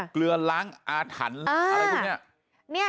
เกลือล้างอาถรรพ์อะไรพวกนี้